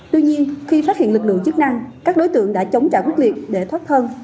tuy nhiên khi phát hiện lực lượng chức năng các đối tượng đã chống trả quyết liệt để thoát thân